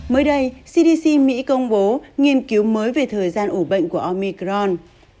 mới đây cdc mỹ công bố nghiên cứu mới về thời gian ủ bệnh của omicron